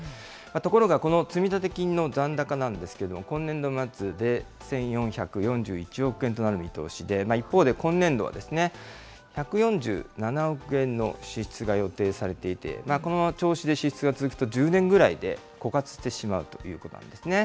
ところがこの積立金の残高なんですけれども、今年度末で１４４１億円となる見通しで、一方で今年度は、１４７億円の支出が予定されていて、この調子で支出が続くと、１０年ぐらいで枯渇してしまうということなんですね。